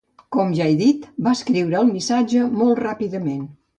Com ja he dit, va escriure el missatge molt ràpidament.